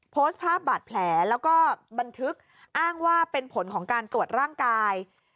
โพสต์ภาพบาดแผลแล้วก็บันทึกอ้างว่าเป็นผลของการตรวจร่างกาย